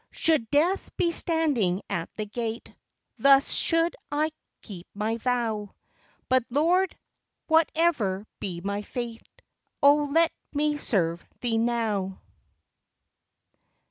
Should death be standing at the gate, Thus should I keep my vow; But Lord ! whatever be my fate, Oh, let me serve Thee now